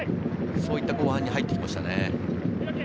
そういった後半に入ってきましたね。